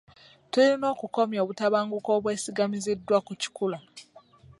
Tulina okukomya obutabanguko obwesigamizidde ku kikula.